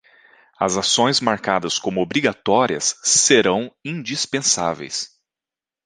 As ações marcadas como obrigatórias serão indispensáveis.